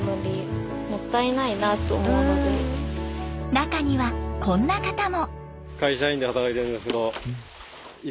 中にはこんな方も。